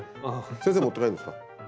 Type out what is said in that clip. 先生持って帰るんですか？